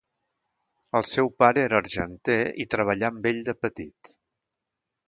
El seu pare era argenter i treballà amb ell de petit.